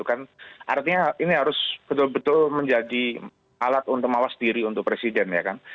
artinya ini harus betul betul menjadi alat untuk mawas diri untuk presiden